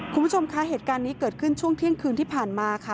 คุณผู้ชมคะเหตุการณ์นี้เกิดขึ้นช่วงเที่ยงคืนที่ผ่านมาค่ะ